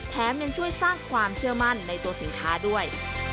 ยังช่วยสร้างความเชื่อมั่นในตัวสินค้าด้วย